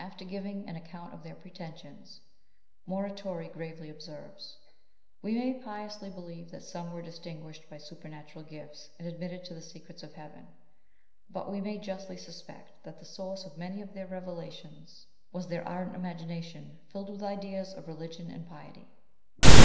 After giving an account of their pretensions, Mura tori gravely observes :" We may piously believe that some were distinguished by supernatural gifts and admitted to the secrets of heaven, but we may justly suspect that the source of many of their revelations was their ardent imagination filled with ideas of religion and piety."